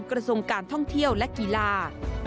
กระทรวงการท่องเที่ยวและกีฬา